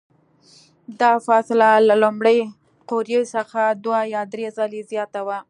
دا فاصله له لومړۍ قوریې څخه دوه یا درې ځلې زیاته وي.